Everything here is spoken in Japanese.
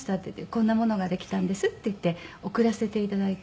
「こんなものができたんです」っていって送らせて頂いて。